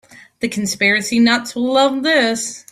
The conspiracy nuts will love this.